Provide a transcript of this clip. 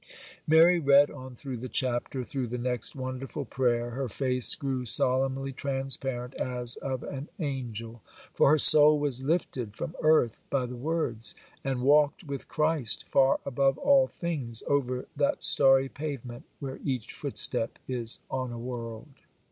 Mary read on through the chapter, through the next wonderful prayer; her face grew solemnly transparent, as of an angel; for her soul was lifted from earth by the words, and walked with Christ far above all things, over that starry pavement where each footstep is on a world.